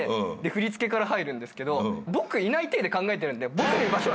振り付けから入るんですけど僕いない体で考えてるんで。